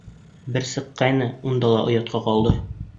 Бер сыҡҡайны, унда ла оятҡа ҡалды!